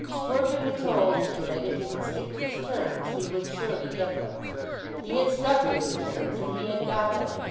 Squercum had told him that if he would stick to his terms he would surely get them. He had stuck to his terms and he had got them.